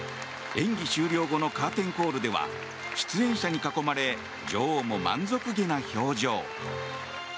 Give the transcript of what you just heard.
演技終了後のカーテンコールでは出演者に囲まれ女王も満足げな表情。